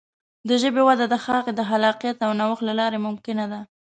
د ژبې وده د هغې د خلاقیت او نوښت له لارې ممکنه ده.